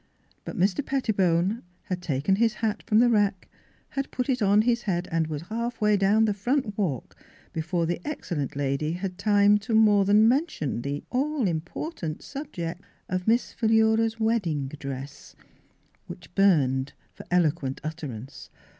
But Mr. Pettibone had taken his hat from the rack, had put it on his head and was half way down the front walk be fore the excellent lady had time to more than mention the all important subject of Miss Philura's wedding dress, which burned for eloquent utterance.